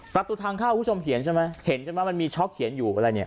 ปรับตัวทางข้าวคุณผู้ชมเห็นใช่ไหมมันมีช็อกเขียนอยู่